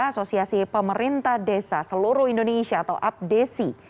asosiasi pemerintah desa seluruh indonesia atau apdesi